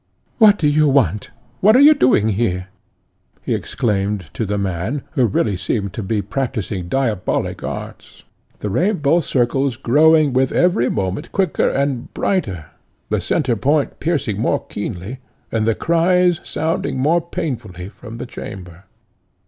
"What do you want? what are you doing here?" he exclaimed to the man, who really seemed to be practising diabolic arts, the rainbow circles growing with every moment quicker and brighter, the centre point piercing more keenly, and the cries sounding more painfully from the chamber.